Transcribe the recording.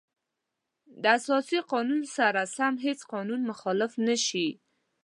د اساسي قانون سره سم هیڅ قانون مخالف نشي.